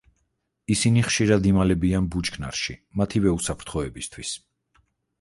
ისინი ხშირად იმალებიან ბუჩქნარში მათივე უსაფრთხოებისთვის.